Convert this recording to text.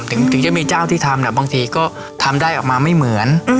ถึงจะมีเจ้าที่ทำบางทีก็ทำได้ออกมาไม่เหมือน